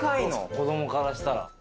子供からしたら。